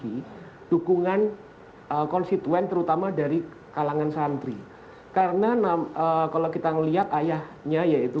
hai dukungan konstituen terutama dari kalangan santri karena nam kalau kita melihat ayahnya yaitu